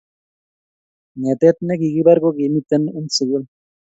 Ngetet nekikibar ko kimite n sukul